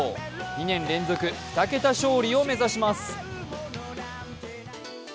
２年連続２桁勝利を目指します。